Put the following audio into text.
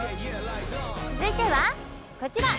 続いてはこちら。